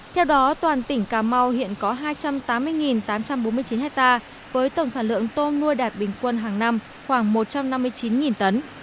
theo đó toàn tỉnh cà mau hiện có hai trăm tám mươi tám trăm bốn mươi chín hectare với tổng sản lượng tôm nuôi đạt bình quân hàng năm khoảng một trăm năm mươi chín tấn